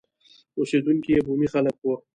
اوسېدونکي یې بومي خلک وو.